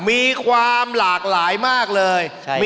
มีความหลากหลายมากเลย